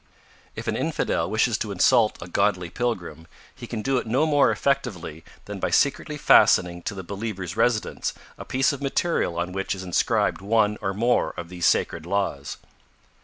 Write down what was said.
If an infidel wishes to insult a godly pilgrim, he can do it no more effectively than by secretly fastening to the believer's residence a piece of material on which is inscribed one or more of these sacred laws.